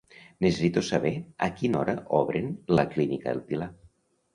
Necessito saber a quina hora obren a la Clínica El Pilar.